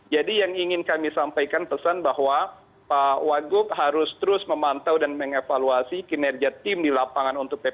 jadi yang ingin kami sampaikan pesan bahwa pak waguk harus terus memantau dan mengevaluasi kinerja tim di lapangan untuk ppkm ini